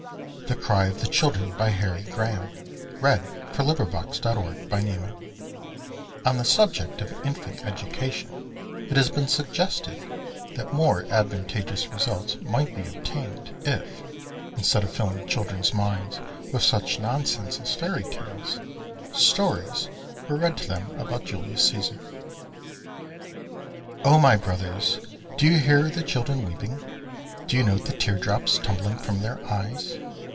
re collected, Her arrival is hailed with delight_" ] The Cry of the Children [On the subject of infant education it has been suggested that more advantageous results might be obtained if, instead of filling children's minds with such nonsense as fairy tales, stories were read to them about Julius Cæsar.] O my Brothers, do you hear the children weeping? Do you note the teardrops tumbling from their eyes?